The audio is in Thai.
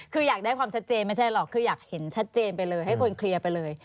คืออยากได้ความชัดเจนไม่ใช่หรอกคืออยากเห็นชัดเจนไปเลยให้คนเคลียร์ไปเลย